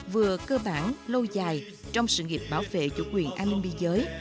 vừa cơ bản lâu dài trong sự nghiệp bảo vệ chủ quyền an ninh biên giới